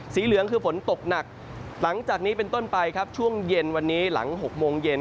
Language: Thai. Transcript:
เหลืองคือฝนตกหนักหลังจากนี้เป็นต้นไปครับช่วงเย็นวันนี้หลัง๖โมงเย็น